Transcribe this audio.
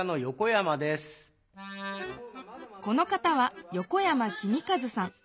この方は横山仁一さん。